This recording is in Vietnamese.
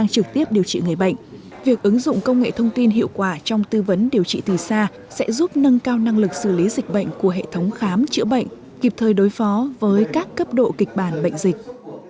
trực tiếp điều trị người bệnh việc ứng dụng công nghệ thông tin hiệu quả trong tư vấn điều trị từ xa sẽ giúp nâng cao năng lực xử lý dịch bệnh của hệ thống khám chữa bệnh kịp thời đối phó với các cấp độ kịch bản bệnh dịch